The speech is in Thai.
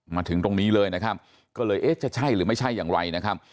มาถึงตรงนี้เลยนะครับก็เลยเอ๊ะจะใช่หรือไม่ใช่อย่างไรนะครับ